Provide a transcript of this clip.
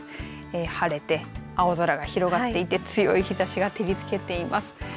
晴れて青空が広がっていて強い日ざしが照りつけています。